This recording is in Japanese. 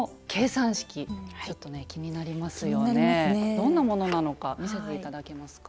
どんなものなのか見せて頂けますか？